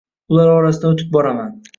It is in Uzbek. Ular orasidan oʻtib boraman